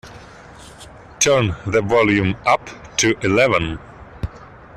Turn the volume up to eleven.